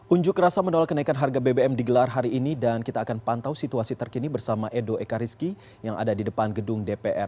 unjuk rasa menolak kenaikan harga bbm digelar hari ini dan kita akan pantau situasi terkini bersama edo ekariski yang ada di depan gedung dpr